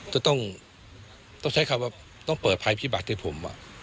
จะต้องใช้คำว่าต้องเปิดภัยพิบัติให้ผม